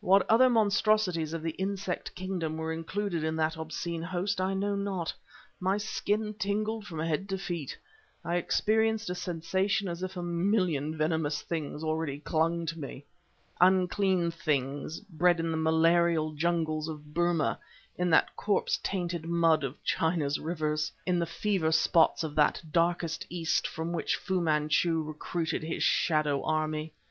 What other monstrosities of the insect kingdom were included in that obscene host I know not; my skin tingled from head to feet; I experienced a sensation as if a million venomous things already clung to me unclean things bred in the malarial jungles of Burma, in the corpse tainted mud of China's rivers, in the fever spots of that darkest East from which Fu Manchu recruited his shadow army.